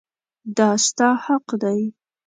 دا ستا حق دی.